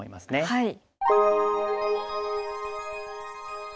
はい。